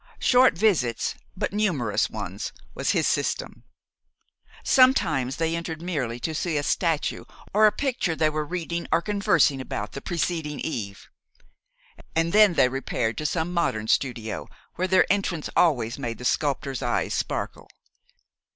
Short visits, but numerous ones, was his system. Sometimes they entered merely to see a statue or a picture they were reading or conversing about the preceding eve; and then they repaired to some modern studio, where their entrance always made the sculptor's eyes sparkle.